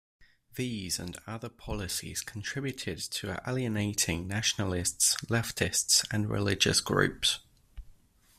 These and other policies contributed to alienating nationalists, leftists, and religious groups.